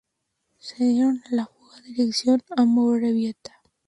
Se dieron a la fuga dirección a Amorebieta.